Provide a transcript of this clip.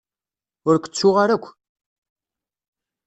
Ur k-ttuɣ ara akk.